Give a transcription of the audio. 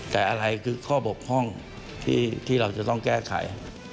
แต่อะไรคือข้อบกพร่องที่เราจะต้องแก้ไข